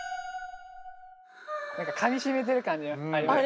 何かかみ締めてる感じありますね。